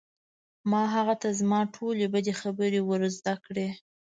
ما هغه ته زما ټولې بدې خبرې ور زده کړې